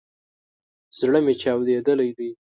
زړه مي چاودلی دی